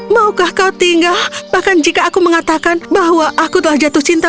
maukah kau tinggal bahkan jika aku mengatakan bahwa aku telah jatuh cinta